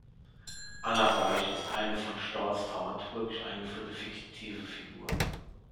Anna Baisch ist eine von Storz dramaturgisch eingeführte fiktive Figur.